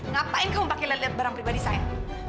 ngapain kamu pakai liat liat barang pribadi saya